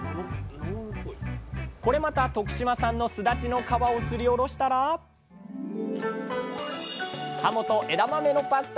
これまた徳島産のスダチの皮をすりおろしたら「はもと枝豆のパスタ」の完成です！